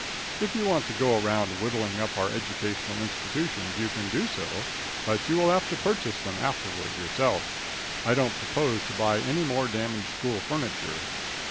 If you want to go around whittling up our educational institutions you can do so; but you will have to purchase them afterward yourself. I don't propose to buy any more damaged school furniture.